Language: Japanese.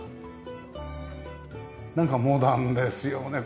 なんかモダンですよね。